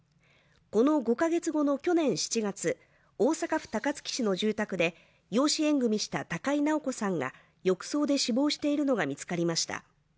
この５カ月後の去年７月大阪府高槻市の住宅で養子縁組した高井直子さんが浴槽で死亡しているのが見つかりました。